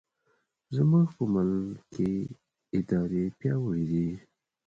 زموږ په ملک کې ادارې پیاوړې دي.